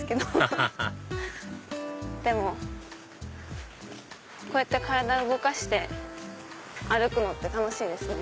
ハハハハでもこうやって体動かして歩くのって楽しいですね。